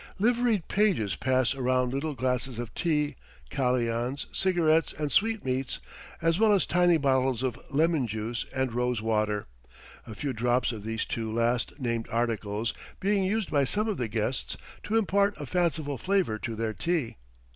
Liveried pages pass around little glasses of tea, kalians, cigarettes, and sweetmeats, as well as tiny bottles of lemon juice and rose water, a few drops of these two last named articles being used by some of the guests to impart a fanciful flavor to their tea.